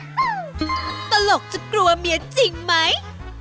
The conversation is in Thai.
ตลกจะกลัวเมียจริงไหม